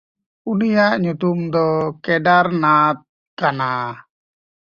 ᱩᱱᱤᱭᱟᱜ ᱧᱩᱛᱩᱢ ᱫᱚ ᱠᱮᱰᱟᱨᱱᱟᱴᱷ ᱠᱟᱱᱟ᱾